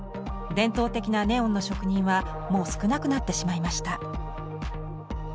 伝統的なネオンの職人はもう少なくなってしまいました。